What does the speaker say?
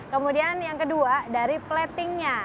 kemudian yang kedua dari platingnya